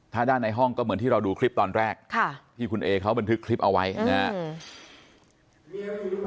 ถ้าด้านในห้องก็เหมือนที่เราดูคลิปตอนแรกที่คุณเอเขาบันทึกคลิปเอาไว้นะครับ